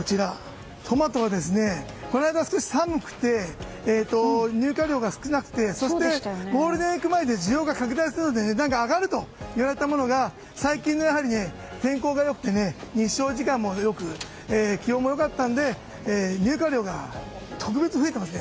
この間、少し寒くて入荷量が少なくてそしてゴールデンウィーク前で需要が拡大するので値段が上がるといわれたものが最近、天候が良くて日照時間も良く気温も良かったので入荷量が特別増えています。